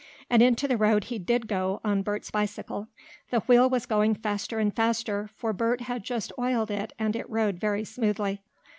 And into the road he did go, on Bert's bicycle. The wheel was going faster and faster, for Bert had just oiled it and it rode very smoothly.